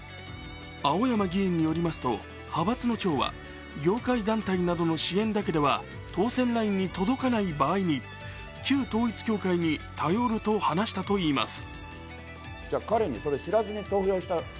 青山議員によりますと派閥の長は業界団体などの支援だけでは当選ラインに届かない場合に旧統一教会に頼ると話したといいます。